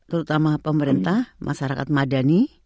terutama pemerintah masyarakat madani